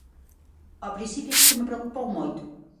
Ao principio si que me preocupou moito.